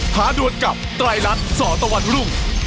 ท้าด่วนกับไตรรัฐสตะวันรุ่ง